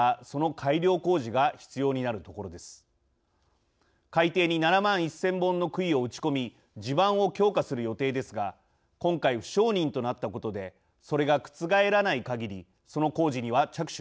海底に７万１，０００本のくいを打ち込み地盤を強化する予定ですが今回不承認となったことでそれが覆らないかぎりその工事には着手できません。